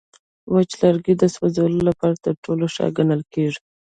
وچ لرګی د سوځولو لپاره تر ټولو ښه ګڼل کېږي.